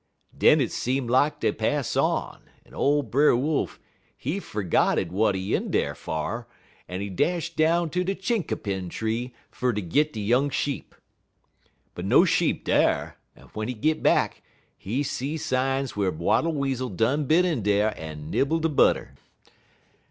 "Den it seem lak dey pass on, en ole Brer Wolf, he fergotted w'at he in dar fer, en he dash down ter de chinkapin tree, fer ter git de young sheep. But no sheep dar, en w'en he git back, he see signs whar Wattle Weasel done bin in dar en nibble de butter.